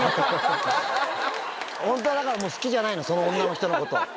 本当はだから好きじゃないの、その女の人のこと。